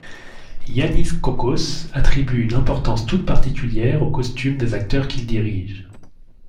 Yannis Kokkos attribue une importance toute particulière aux costumes des acteurs qu’il dirige.